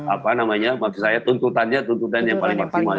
apa namanya maksud saya tuntutannya tuntutan yang paling maksimal